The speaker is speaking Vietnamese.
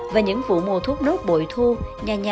và những vụ mùa thốt nốt bội thu nhà nhà cơm no áo ấm